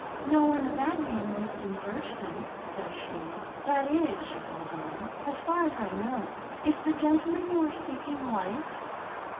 "'No one of that name lives in Birchton,' says she. 'That is,' she goes on, 'as far as I know. Is the gentleman you are seeking white?'